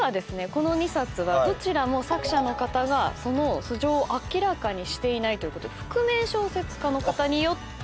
この２冊はどちらも作者の方がその素性を明らかにしていない覆面小説家の方によって書かれたという。